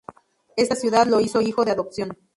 Esta ciudad lo hizo Hijo de Adopción.